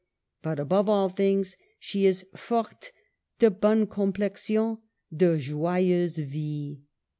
But above all things she is *' forte, de bonne complexion, de joyeuse vie."